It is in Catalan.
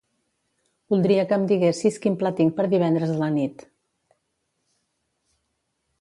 Voldria que em diguessis quin pla tinc per divendres a la nit.